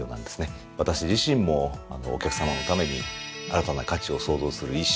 私自身もお客さまのために新たな価値を創造する意志